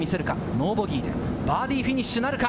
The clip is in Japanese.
ノーボギーでバーディーフィニッシュなるか？